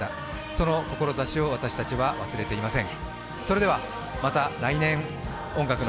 その志を私たちは忘れてはいません。